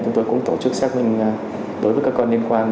chúng tôi cũng tổ chức xác minh đối với các con liên quan